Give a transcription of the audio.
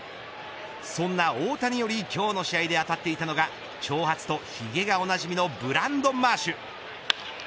そんな大谷より今日の試合で当たっていたのが長髪とひげがおなじみのブランドン・マーシュ。